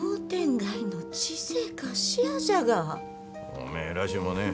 おめえらしゅうもねえ。